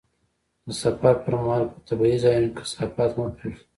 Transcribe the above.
د سفر پر مهال په طبیعي ځایونو کې کثافات مه پرېږده.